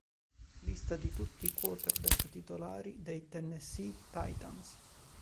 Lista di tutti i quarterback titolari dei Tennessee Titans.